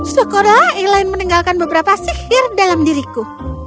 segera elaine meninggalkan beberapa sihir dalam diriku